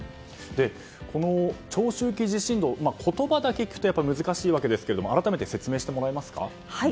この長周期地震動言葉だけ聞くと難しいわけですが改めて説明してもらえますか。